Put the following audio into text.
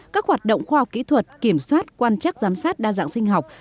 các hoạt động khoa học kỹ thuật kiểm soát quan chắc giám sát đa dạng sinh học